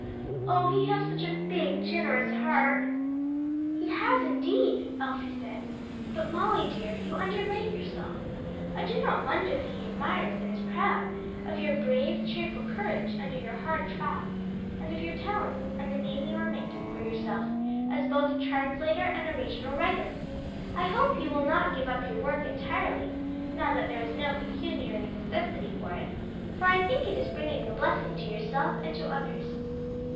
Oh he has such a big, generous heart!" "He has indeed!" Elsie said. "But, Molly dear, you underrate yourself. I do not wonder that he admires and is proud of your brave, cheerful courage under your hard trial, and of your talents and the name you are making for yourself as both a translator and original writer; I hope you will not give up your work entirely now that there is no pecuniary necessity for it, for I think it is bringing a blessing to yourself and to others."